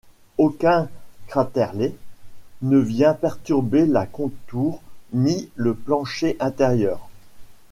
Aucun craterlet ne vient perturber la contour ni le plancher intérieur.